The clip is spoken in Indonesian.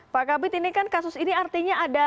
pak kabit ini kan kasus ini artinya ada